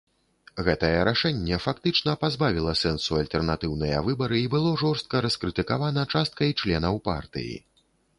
Гэтае рашэнне фактычна пазбавіла сэнсу альтэрнатыўныя выбары і было жорстка раскрытыкавана часткай членаў партыі.